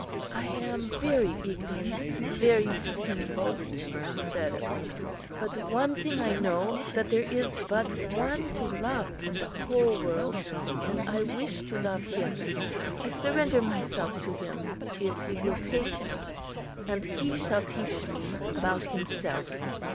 "I am very ignorant—very sinful," she said at length; "but one thing I know, that there is but One to love in the whole world, and I wish to love him. I surrender myself to Him, if He will take me; and He shall teach me about Himself."